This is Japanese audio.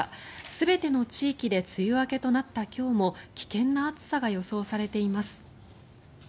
全ての地域で梅雨明けとなった今日も危険な暑さが予想されています。